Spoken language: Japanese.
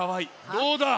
どうだ？